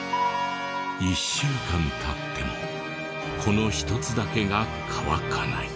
１週間経ってもこの１つだけが乾かない。